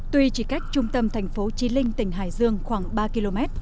tuy chỉ cách trung tâm tp chí linh tỉnh hải dương khoảng ba km